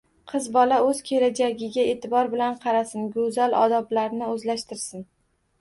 Qiz bola o‘z kelajagiga e’tibor bilan qarasin, go‘zal odoblarni o‘zlashtirsin.